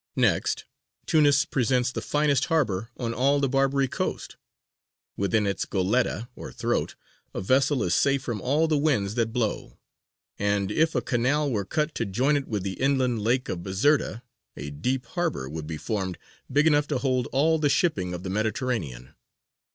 Next, Tunis presents the finest harbour on all the Barbary coast; within its Goletta (or "Throat") a vessel is safe from all the winds that blow, and if a canal were cut to join it with the inland lake of Bizerta, a deep harbour would be formed big enough to hold all the shipping of the Mediterranean.